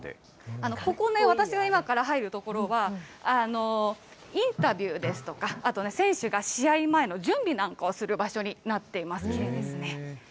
ここね、私が今から入る所は、インタビューですとか、あと選手が試合前の準備なんかをする場所になっています。